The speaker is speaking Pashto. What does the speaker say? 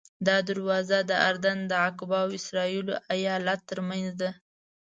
دا دروازه د اردن د عقبه او اسرائیلو ایلات ترمنځ ده.